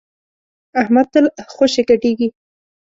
احمد تل خوشی ګډېږي.